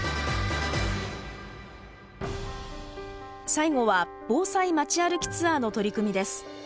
最後は防災街歩きツアーの取り組みです。